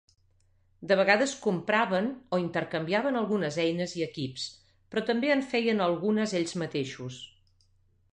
De vegades compraven o intercanviaven algunes eines i equips, però també en feien algunes ells mateixos.